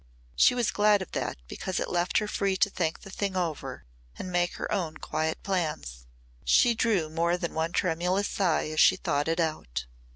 She was glad of that because it left her free to think the thing over and make her own quiet plans. She drew more than one tremulous sigh as she thought it out.